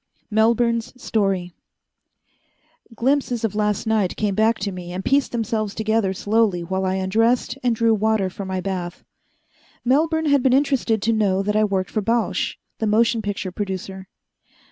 Melbourne's Story Glimpses of last night came back to me and pieced themselves together slowly while I undressed and drew the water for my bath. Melbourne had been interested to know that I worked for Bausch, the motion picture producer.